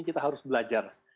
kita harus belajar